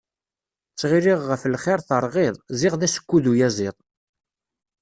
Ttɣilliɣ ɣef lxir terɣiḍ, ziɣ d asekkud uyaziḍ.